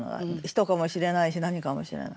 人かもしれないし何かもしれない。